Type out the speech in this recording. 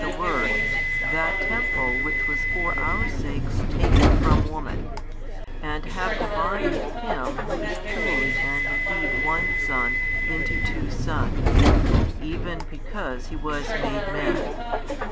the Word that Temple which was for our sakes taken from woman, and have divided Him Who is truly and indeed One Son into two sons, even because He was made Man.